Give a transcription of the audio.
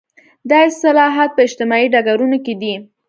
دا اصلاحات په اجتماعي ډګرونو کې دي.